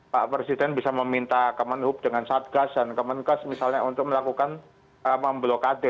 pak presiden bisa meminta kemenhub dengan satgas dan kemenkes misalnya untuk melakukan memblokade